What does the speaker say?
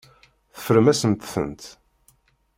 Teffrem-asent-tent.